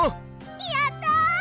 やった！